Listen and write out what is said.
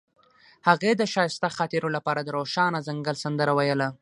هغې د ښایسته خاطرو لپاره د روښانه ځنګل سندره ویله.